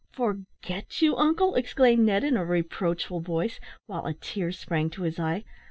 "Forget you, uncle!" exclaimed Ned, in a reproachful voice, while a tear sprang to his eye.